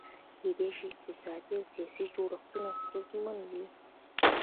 کېدای شي اقتصادي او سیاسي جوړښتونه ستونزمن وي.